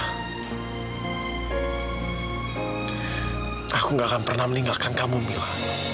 aku gak akan pernah meninggalkan kamu mila